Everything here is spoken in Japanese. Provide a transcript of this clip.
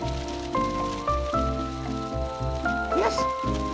よし！